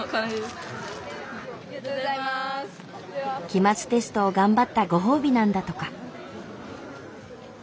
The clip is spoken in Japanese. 期末テストを頑張ったご褒美なんだとか。